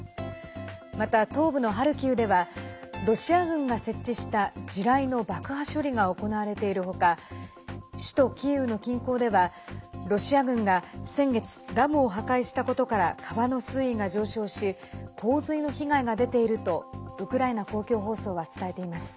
また、東部のハルキウではロシア軍が設置した地雷の爆破処理が行われているほか首都キーウの近郊ではロシア軍が先月、ダムを破壊したことから川の水位が上昇し洪水の被害が出ているとウクライナ公共放送は伝えています。